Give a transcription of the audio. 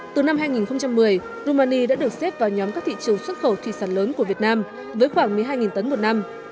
từ năm hai nghìn một mươi rumani đã được xếp vào nhóm các thị trường xuất khẩu thủy sản lớn của việt nam với khoảng một mươi hai tấn một năm